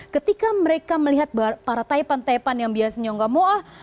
ketika mereka melihat para taipan taipan yang biasanya nggak mau ah